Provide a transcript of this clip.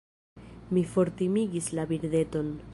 Mi fortimigis la birdeton.